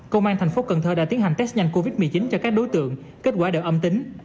công an thành phố cần thơ đã tiến hành test nhanh covid một mươi chín cho các đối tượng kết quả đều âm tính